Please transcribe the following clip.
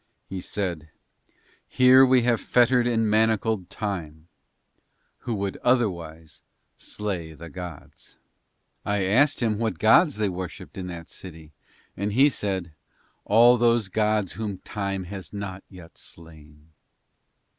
He said, "Here we have fettered and manacled Time, who would otherwise slay the gods." I asked him what gods they worshipped in that city, and he said, "All those gods whom Time has not yet slain."